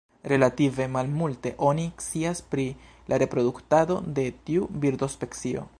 Relative malmulte oni scias pri la reproduktado de tiu birdospecio.